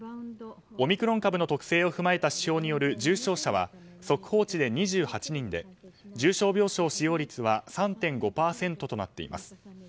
オミクロン株の特性を踏まえた指標による重症者は速報値で２８人で重症病床使用率は３．５％となています。